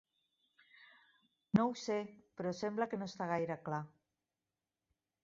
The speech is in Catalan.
No ho sé, però sembla que no està gaire clar.